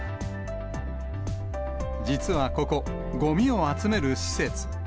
実はここ、ごみを集める施設。